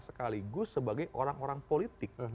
sekaligus sebagai orang orang politik